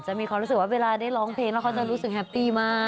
มีความรู้สึกว่าเวลาได้ร้องเพลงแล้วเขาจะรู้สึกแฮปปี้มาก